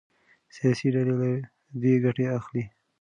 سياسي ډلې له دې ګټه اخلي.